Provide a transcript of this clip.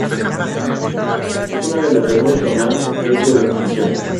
Es una de las lenguas con más riesgo de extinción.